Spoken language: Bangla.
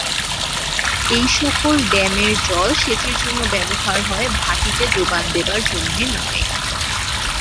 এইসকল ড্যামের জল সেচের জন্যে ব্যবহার হয়, ভাটিতে যোগান দেবার জন্যে নয়।